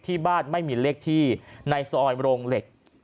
ที่บ้านไม่มีเลขที่ในซอยโรงเหล็ก